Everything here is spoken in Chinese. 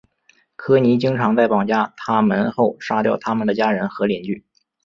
科尼经常在绑架他们后杀掉他们的家人和邻居。